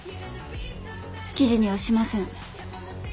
記事にはしません。